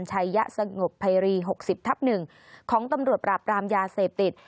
ชัยยะสงบไพรี๖๐ทับ๑ของตำรวจปราบรามยาเสพติด